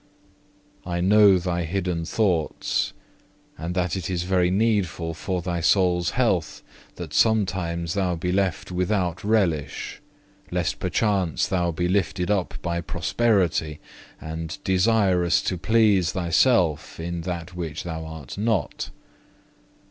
I know thy hidden thoughts: and that it is very needful for thy soul's health that sometimes thou be left without relish, lest perchance thou be lifted up by prosperity, and desirous to please thyself in that which thou art not.